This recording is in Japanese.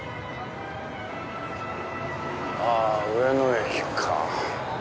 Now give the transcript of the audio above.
『あゝ上野駅』か。